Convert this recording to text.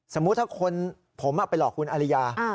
สมมุติถ้าคนผมไปหลอกคุณอริยา